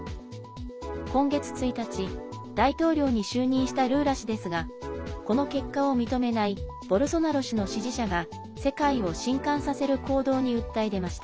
今月１日大統領に就任したルーラ氏ですがこの結果を認めないボルソナロ氏の支持者が世界を震かんさせる行動に訴え出ました。